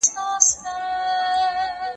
که وخت وي، خواړه ورکوم!